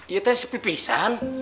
iya teh sepipisan